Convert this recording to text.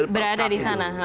berada di sana